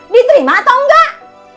diterima atau enggak